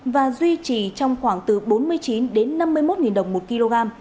và duy trì trong khoảng từ bốn mươi chín đến năm mươi một đồng một kg